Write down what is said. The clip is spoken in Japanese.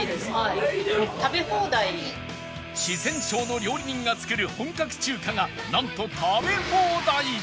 四川省の料理人が作る本格中華がなんと食べ放題！